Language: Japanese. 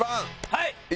はい。